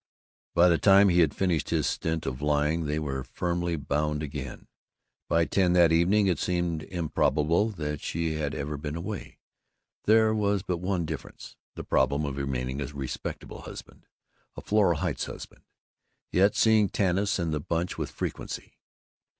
By the time he had finished his stint of lying they were firmly bound again. By ten that evening it seemed improbable that she had ever been away. There was but one difference: the problem of remaining a respectable husband, a Floral Heights husband, yet seeing Tanis and the Bunch with frequency.